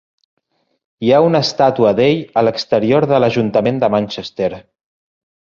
Hi ha una estàtua d'ell a l'exterior de l'Ajuntament de Manchester.